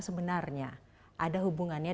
sebenarnya ada hubungannya